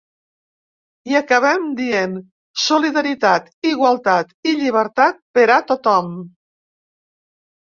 I acabaven dient: Solidaritat, igualtat i llibertat per a tothom.